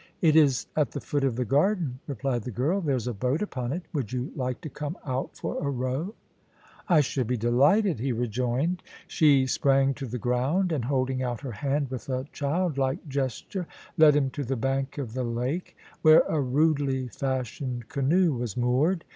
It is at the foot of the garden,' replied the girl. * There's a boat upon it ; would you like to come out for a row ?I should be delighted,' he rejoined. She sprang to the ground, and holding out her hand with a childlike gesture, led him to the bank of the lake, where a rudely fashioned canoe was moored.